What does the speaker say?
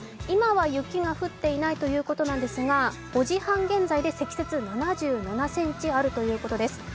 今は雪が降っていないということですが、５時半現在で積雪７７ｃｍあるということです。